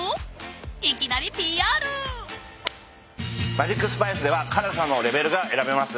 マジックスパイスでは辛さのレベルが選べます。